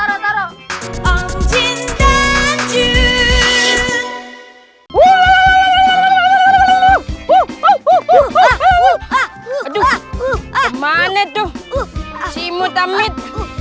aduh kemana tuh si mutamid